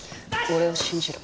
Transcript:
「俺を信じろ」。